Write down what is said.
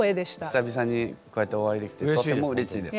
久々にこうやってお会いできてとってもうれしいです。